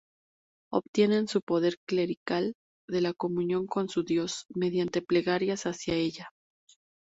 Obtienen su poder clerical de la comunión con su Diosa mediante plegarias hacia ella.